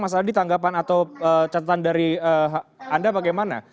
mas adi tanggapan atau catatan dari anda bagaimana